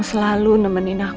selamat menikmati